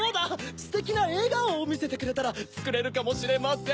ステキなえがおをみせてくれたらつくれるかもしれません。